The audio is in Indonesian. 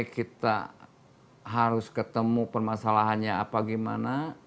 kita harus ketemu permasalahannya apa gimana